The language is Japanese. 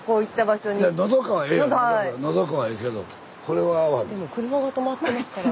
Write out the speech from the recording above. スタジオでも車が止まってますから。